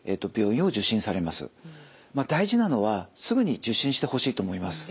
大事なのはすぐに受診してほしいと思います。